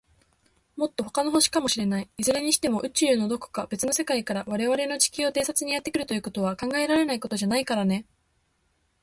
もっと、ほかの星かもしれない。いずれにしても、宇宙の、どこか、べつの世界から、われわれの地球を偵察にやってくるということは、考えられないことじゃないからね。